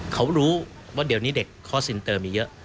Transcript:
เขารู้ว่าเดี๋ยวนี้เด็กคอร์เซ็นเตอร์มีเยอะ